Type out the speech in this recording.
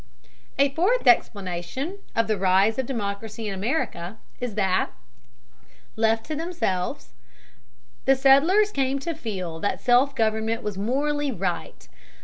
A fourth explanation of the rise of democracy in America is that, left to themselves, the settlers came to feel that self government was morally right.